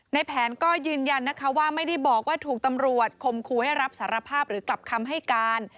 ในแผนก็ยืนยันนะคะว่าไม่ได้บอกว่าถูกตำรวจคมครูให้รับสารภาพหรือกลับคำให้การ